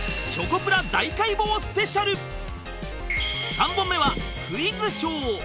３本目は「クイズショー」